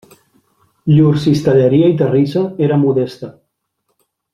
Llur cistelleria i terrissa era modesta.